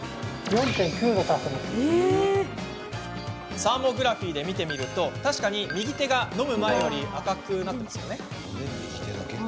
サーモグラフィーで見てみると確かに右手が飲む前より赤くなっていますね。